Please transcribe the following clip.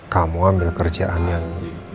kamu ambil kerjaan yang